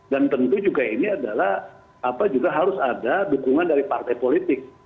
dan tentu juga ini adalah apa juga harus ada dukungan dari partai politik